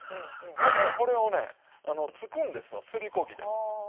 だからこれをねつくんですわすりこ木で。